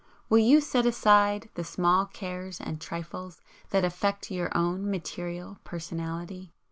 Will you set aside the small cares and trifles that affect your own material personality?